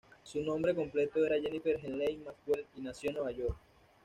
Su nombre completo era Jennifer Helene Maxwell, y nació en Nueva York.